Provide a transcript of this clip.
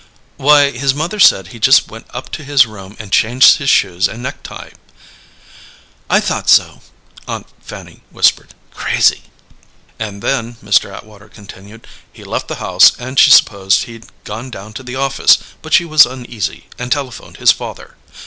"Why, his mother said he just went up to his room and changed his shoes and necktie " "I thought so," Aunt Fanny whispered. "Crazy!" "And then," Mr. Atwater continued, "he left the house and she supposed he'd gone down to the office; but she was uneasy, and telephoned his father.